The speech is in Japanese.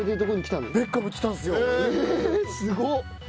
すごっ！